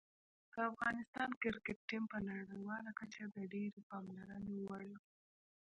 د افغانستان کرکټ ټیم په نړیواله کچه د ډېرې پاملرنې وړ دی.